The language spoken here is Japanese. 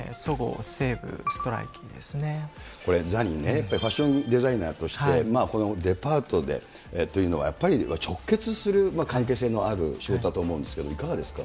そごう・西武、ストライキでこれ、ザニーね、ファッションデザイナーとしてこのデパートでというのはやっぱり、直結する関係性のある仕事だと思うんですけど、いかがですか？